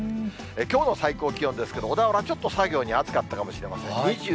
きょうの最高気温ですけど、小田原、ちょっと作業に暑かったかもしれません。